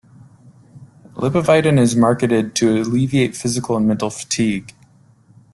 Lipovitan is marketed to alleviate physical and mental fatigue.